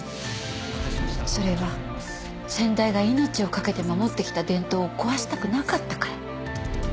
それは先代が命を懸けて守ってきた伝統を壊したくなかったから。